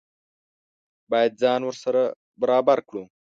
باید ځان ورسره برابر کړو.